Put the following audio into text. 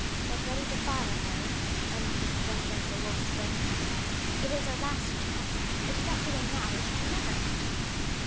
"Get ready to fire, Harry," Ernest exclaimed as the wolf sprang upon the man, "it is our last chance. If he gets away now we shall never catch him."